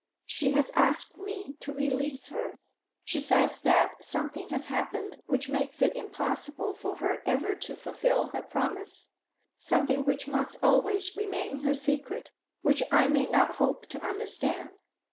She has asked me to release her. She says that something has happened which makes it impossible for her ever to fulfil her promise, something which must always remain her secret, which I may not hope to understand.